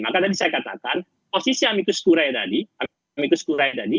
maka tadi saya katakan posisi amicus curia tadi